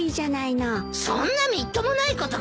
そんなみっともないことができるか！